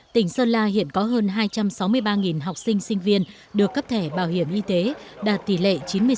tỉnh sơn la hiện có hơn hai trăm sáu mươi ba học sinh sinh viên được cấp thẻ bảo hiểm y tế đạt tỷ lệ chín mươi sáu